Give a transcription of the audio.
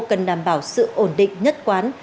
cần đảm bảo sự ổn định nhất quán